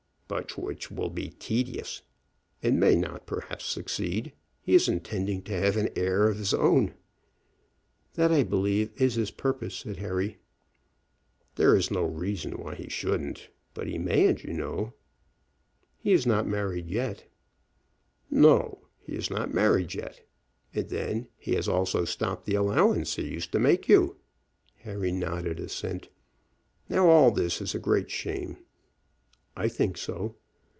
"But which will be tedious, and may not, perhaps, succeed. He is intending to have an heir of his own." "That I believe is his purpose," said Harry. "There is no reason why he shouldn't; but he mayn't, you know." "He is not married yet." "No; he is not married yet. And then he has also stopped the allowance he used to make you." Harry nodded assent. "Now, all this is a great shame." "I think so."